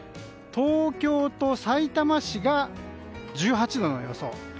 東京とさいたま市が１８度の予想。